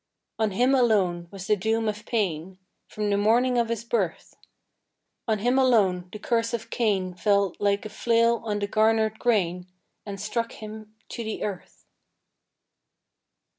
On him alone was the doom of pain, From the morning of his birth; On him alone the curse of Cain Fell, like a flail on the garnered grain, And struck him to the earth!